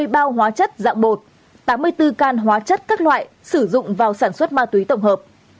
ba trăm tám mươi bao hóa chất dạng bột tám mươi bốn can hóa chất các loại sử dụng vào sản xuất ma túy tổng hợp